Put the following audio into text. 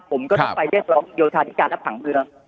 ผมก็ต้องไปเรียกร้องโยธาธิการและผังเมือง